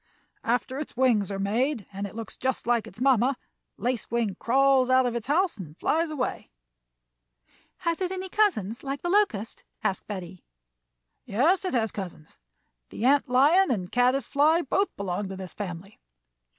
"After its wings are made and it looks just like its mamma, Lace Wing crawls out of its house and flies away." [Illustration: Pit of the Ant Lion] "Has it any cousins, like the locust?" asked Betty. "Yes, it has cousins; the ant lion and caddis fly both belong to this family.